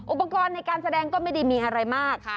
อุปกรณ์ในการแสดงก็ไม่ได้มีอะไรมาก